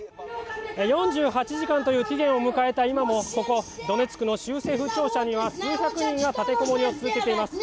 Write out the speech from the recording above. ４８時間という期限を迎えた今もここ、ドネツクの州政府庁舎には数百人が立てこもりを続けています。